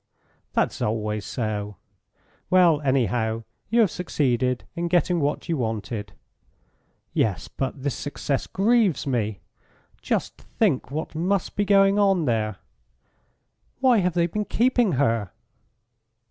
"That's always so. Well, anyhow, you have succeeded in getting what you wanted." "Yes, but this success grieves me. Just think what must be going on there. Why have they been keeping her?"